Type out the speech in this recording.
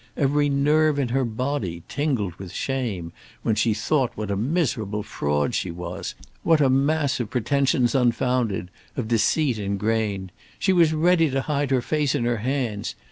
Every nerve in her body tingled with shame when she thought what a miserable fraud she was; what a mass of pretensions unfounded, of deceit ingrained. She was ready to hide her face in her hands.